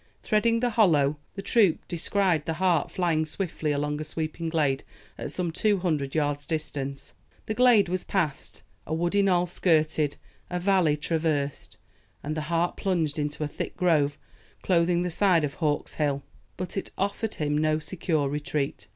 Threading the hollow, the troop descried the hart flying swiftly along a sweeping glade at some two hundred yards distance. The glade was passed a woody knoll skirted a valley traversed and the hart plunged into a thick grove clothing the side of Hawk's Hill. But it offered him no secure retreat.